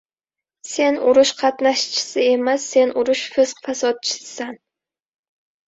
— Sen urush qatnashchisi emas! Sen — urush fisq-fasodchisisan!